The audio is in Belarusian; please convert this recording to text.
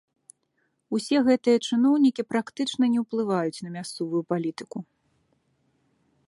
Усе гэтыя чыноўнікі практычна не ўплываюць на мясцовую палітыку.